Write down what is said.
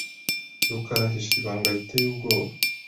rukaraahishe ibanga riteye ubwoba.